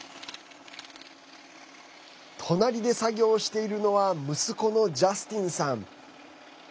隣で作業しているのは息子のジャスティンさん。